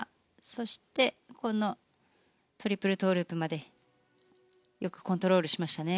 そして、トリプルトウループまでよくコントロールしましたね。